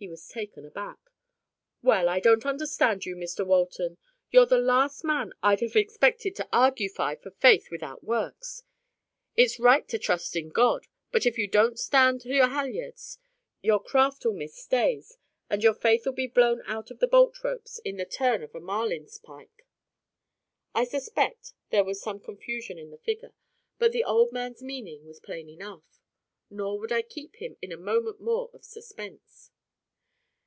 He was taken aback. "Well, I don't understand you, Mr Walton. You're the last man I'd have expected to hear argufy for faith without works. It's right to trust in God; but if you don't stand to your halliards, your craft 'll miss stays, and your faith 'll be blown out of the bolt ropes in the turn of a marlinspike." I suspect there was some confusion in the figure, but the old man's meaning was plain enough. Nor would I keep him in a moment more of suspense.